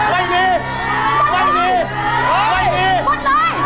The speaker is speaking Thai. ไม่มีไม่มี